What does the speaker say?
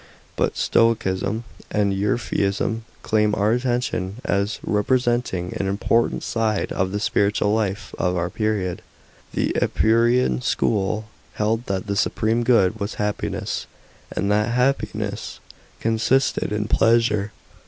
But Stoicism and Epicureanism claim our attention as representing an important side of the spiritual life of our period. § 5. The Epicurean school held that the supreme good was happiness, and that happiness consisted in pleasure.